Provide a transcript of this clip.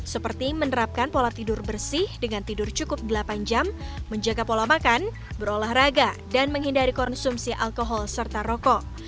seperti menerapkan pola tidur bersih dengan tidur cukup delapan jam menjaga pola makan berolahraga dan menghindari konsumsi alkohol serta rokok